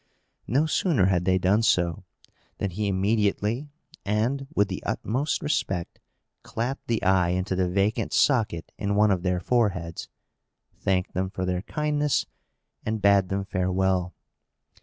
No sooner had they done so, than he immediately, and with the utmost respect, clapped the eye into the vacant socket in one of their foreheads, thanked them for their kindness, and bade them farewell.